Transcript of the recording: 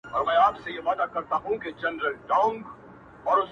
بل وايي موږ خپل درد لرو او څوک نه پوهېږي,